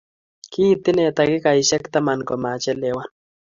Kiit inne takikaishek taman komagichelewanye